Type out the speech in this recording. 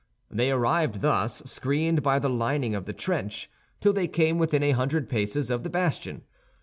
They arrived thus, screened by the lining of the trench, till they came within a hundred paces of the bastion.